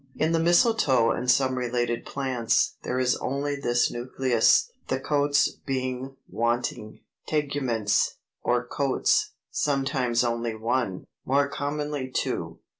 In the Mistletoe and some related plants, there is only this nucleus, the coats being wanting. TEGUMENTS, or coats, sometimes only one, more commonly two.